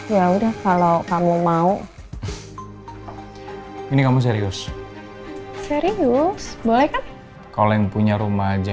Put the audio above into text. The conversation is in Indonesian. ya udah kalau kamu mau ini kamu serius serius boleh kan kalau yang punya rumah aja